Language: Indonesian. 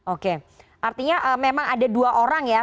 oke artinya memang ada dua orang ya